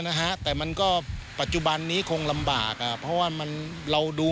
นะฮะแต่มันก็ปัจจุบันนี้คงลำบากอ่ะเพราะว่ามันเราดู